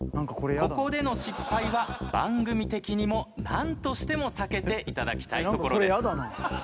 ここでの失敗は番組的にも何としても避けていただきたいところです。